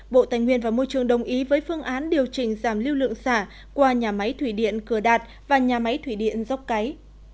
bộ tài nguyên và môi trường đồng ý với phương án điều chỉnh giảm lưu lượng xả qua nhà máy thủy điện cửa đạt và nhà máy thủy điện dốc cái